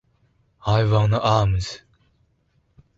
I want arms!